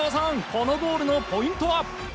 このボールのポイントは？